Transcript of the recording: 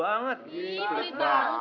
ini lanjutin label nya